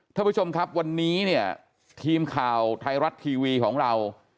ท่านผู้ชมครับวันนี้เนี่ยทีมข่าวไทยรัฐทีวีของเรา